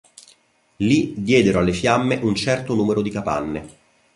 Lì diedero alle fiamme un certo numero di capanne.